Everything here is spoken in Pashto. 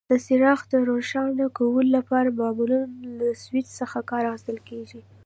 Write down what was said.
د څراغ د روښانه کولو لپاره معمولا له سویچ څخه کار اخیستل کېږي.